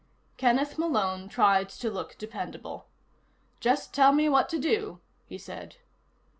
Kenneth Malone tried to look dependable. "Just tell me what to do," he said.